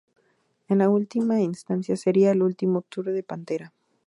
En última instancia, sería el último tour de Pantera.